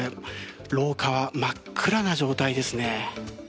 廊下は真っ暗な状態ですね。